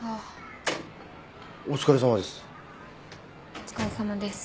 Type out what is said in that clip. お疲れさまです。